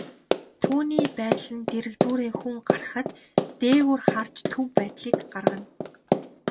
Түүний байдал нь дэргэдүүрээ хүн гарахад, дээгүүр харж төв байдлыг гаргана.